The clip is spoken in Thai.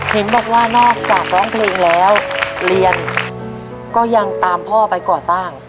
เห็นบอกว่านอกจากร้องเพลงแล้วเรียนก็ยังตามพ่อไปก่อสร้าง